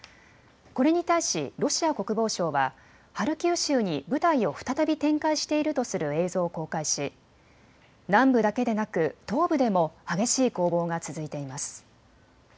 これに対しロシア国防省はハルキウ州に部隊を再び展開しているとする映像を公開し南部だけでなく東部でも激しい攻防が続いています。